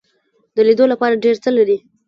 د لیدلو لپاره ډیر څه لري.